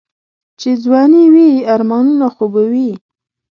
چې ځواني وي آرمانونه خو به وي.